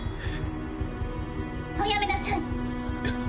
おやめなさい。